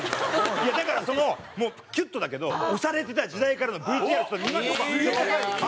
いやだからそのもうキュッとだけど推されてた時代からのＶＴＲちょっと見ましょうか。